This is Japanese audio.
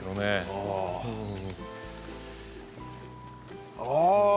ああ！